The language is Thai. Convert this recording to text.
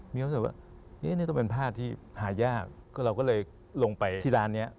มีความรู้สึกว่านี่ต้องเป็นผ้าที่หายากก็เราก็เลยลงไปที่ร้านนี้